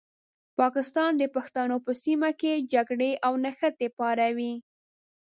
پاکستان د پښتنو په سیمه کې جګړې او نښتې پاروي.